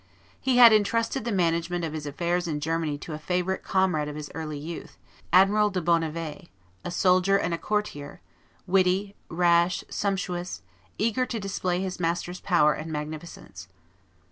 He had intrusted the management of his affairs in Germany to a favorite comrade of his early youth, Admiral de Bonnivet, a soldier and a courtier, witty, rash, sumptuous, eager to display his master's power and magnificence.